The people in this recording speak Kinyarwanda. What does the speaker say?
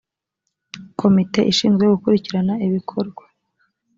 komite ishinzwe gukurikirana ibikorwa